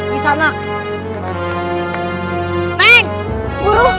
tidak akan evet pertahanan